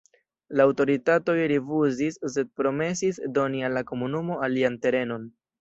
La aŭtoritatoj rifuzis, sed promesis doni al la komunumo alian terenon.